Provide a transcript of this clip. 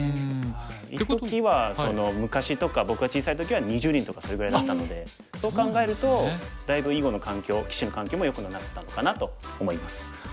一時は昔とか僕が小さい時は２０人とかそれぐらいだったのでそう考えるとだいぶ囲碁の環境棋士の環境もよくなったのかなと思います。